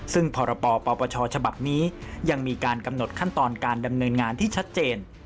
ซึ่งพรปปชฉบับนี้ยังมีการกำหนดขั้นตอนการดำเนินงานที่ชัดเจน